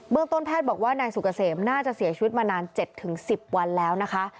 เมืองต้นแพทย์บอกว่านายสุกเกษมน่าจะเสียชีวิตมานาน๗๑๐วันแล้วนะคะ